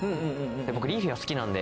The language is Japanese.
僕リーフィア好きなんで。